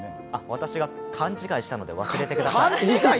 私が勘違いしたので忘れてください。